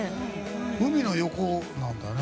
海の横なんだね。